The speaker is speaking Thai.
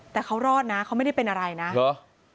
แต่เขารอดนะเขาไม่ได้เป็นอะไรนะเหรอ